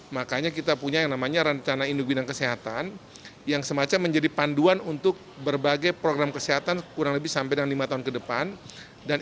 makanya kita punya yang namanya rencana induk bidang kesehatan yang semacam menjadi panduan untuk berbagai program kesehatan kurang lebih sampai dengan lima tahun ke depan